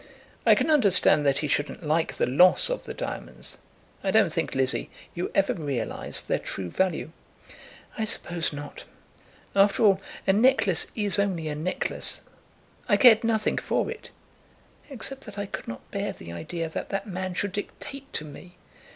"I can understand that he shouldn't like the loss of the diamonds. I don't think, Lizzie, you ever realised their true value." "I suppose not. After all, a necklace is only a necklace. I cared nothing for it, except that I could not bear the idea that that man should dictate to me.